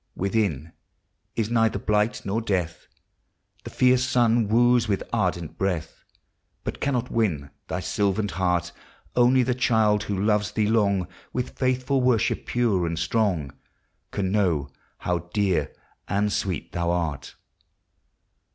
201 Within, is neither blight nor death; The fierce sun wooes with ardent breath, But cannot win thy sylvan heart. Only the child who loves thee long, With faithful worship pure and strong, Can know how dear and sweet thou art.